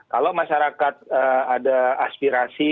kalau masyarakat ada aspirasi